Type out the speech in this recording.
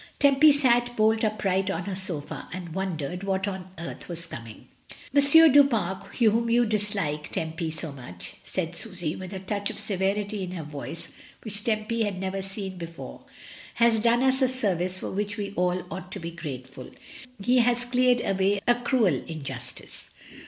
Tempy sat bolt upright on her sofa, and wondered what on earth was coming. "M. du Pare, whom you dislike, Tempy, so much," said Susy, with a touch of severity in her voice which Tempy had never heard before, "has done us a service for which we ought all to be grateful. He has cleared away a cruel injustice.